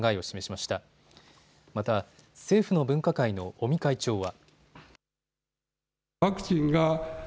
また、政府の分科会の尾身会長は。